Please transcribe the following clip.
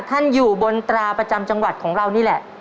ท่านอยู่บนตราประจำจังหวัดของเรานี่แหละ